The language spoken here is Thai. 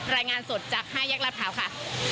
รายงานสดจาก๕แยกรัฐพร้าวค่ะ